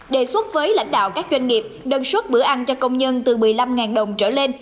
đề xuất với lãnh đạo các doanh nghiệp đơn xuất bữa ăn cho công nhân từ một mươi năm đồng trở lên